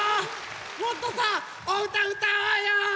もっとさおうたうたおうよ！